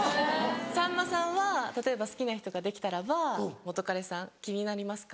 さんまさんは例えば好きな人ができたらば元カレさん気になりますか？